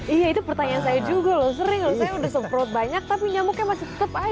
iya itu pertanyaan saya juga loh sering loh saya udah semprot banyak tapi nyamuknya masih tetap aja